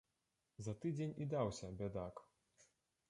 За тыдзень і даўся, бядак.